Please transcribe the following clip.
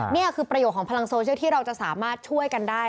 นี่คือประโยชนของพลังโซเชียลที่เราจะสามารถช่วยกันได้